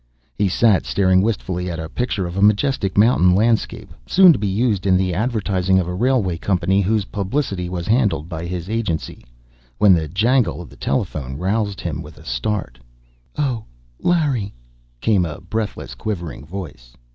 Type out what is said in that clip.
He sat, staring wistfully at a picture of a majestic mountain landscape, soon to be used in the advertising of a railway company whose publicity was handled by his agency, when the jangle of the telephone roused him with a start. "Oh, Larry " came a breathless, quivering voice.